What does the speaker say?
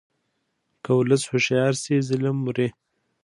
که ولس هوښیار شي، ظلم مري.